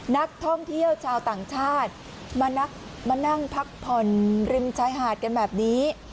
นักท่องเที่ยวชาวต่างชาติมานั่งพักผ่อนริมชายหาดกันแบบนี้